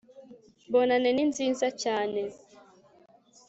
bonane ni nziza cyane